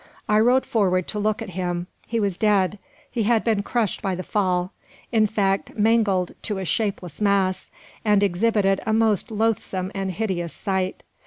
I rode forward to look at him. He was dead. He had been crushed by the fall; in fact, mangled to a shapeless mass, and exhibited a most loathsome and hideous sight.